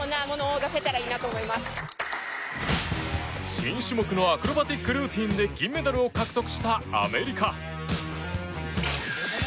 新種目のアクロバティックルーティンで銀メダルを獲得したアメリカ。